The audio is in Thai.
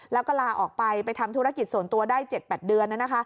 แล้วก็ลาออกไปไปทำธุรกิจส่วนตัวได้๗๘เดือน